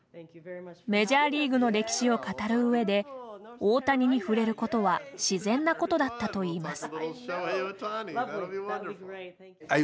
メジャーリーグの歴史を語る上で大谷に触れることは自然なことだったといいます。